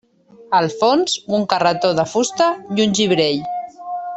Al fons un carretó de fusta i un gibrell.